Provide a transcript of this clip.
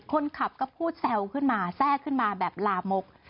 คนขับก็พูดแซวขึ้นมาแทรกขึ้นมาแบบลามก